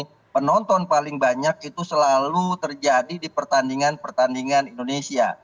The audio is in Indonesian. karena penonton paling banyak itu selalu terjadi di pertandingan pertandingan indonesia